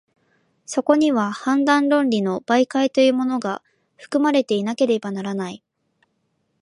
そこには判断論理の媒介というものが、含まれていなければならない。